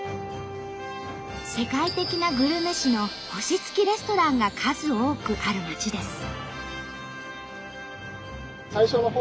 世界的なグルメ誌の星付きレストランが数多くある街です。